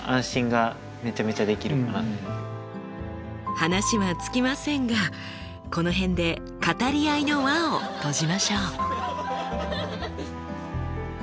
話は尽きませんがこの辺で語り合いの輪を閉じましょう。